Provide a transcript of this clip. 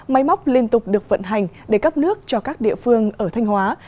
máy móc liên tục được vận hành để cấp nước cho các địa phương ở thanh hóa